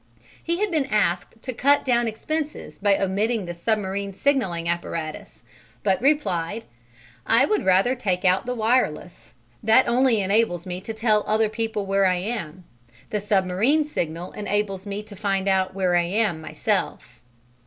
He had been asked to cut down expenses by omitting the submarine signalling apparatus, but replied: "I would rather take out the wireless. That only enables me to tell other people where I am. The submarine signal enables me to find out where I am myself."